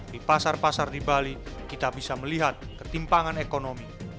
di pasar pasar di bali kita bisa melihat ketimpangan ekonomi